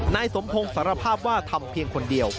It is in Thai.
นายสมพงศ์สารภาพว่าทำเพียงคนเดียว